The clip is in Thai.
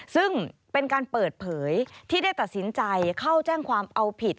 ซึ่งเป็นการเปิดเผยที่ได้ตัดสินใจเข้าแจ้งความเอาผิด